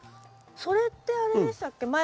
それってあれでしたっけ？